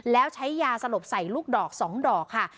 แล้วใช้ยาสลบใส่ลูกดอก๒ดอกค่ะ